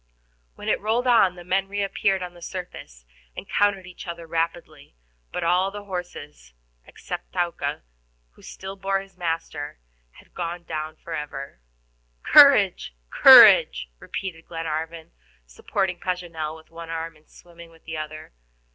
When it had rolled on, the men reappeared on the surface, and counted each other rapidly; but all the horses, except Thaouka, who still bore his master, had gone down forever. "Courage, courage," repeated Glenarvan, supporting Paganel with one arm, and swimming with the other.